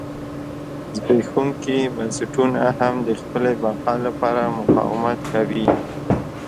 زبېښونکي بنسټونه هم د خپلې بقا لپاره مقاومت کوي.